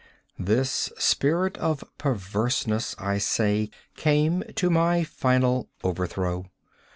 This spirit of perverseness, I say, came to my final overthrow.